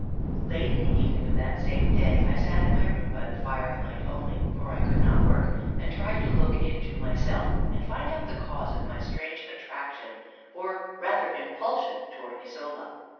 Late in the evening of that same day, I sat in my room by the firelight only (for I could not work) and tried to look into myself, and find out the cause of my strange attraction or rather impulsion towards Isola.